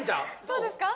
どうですか？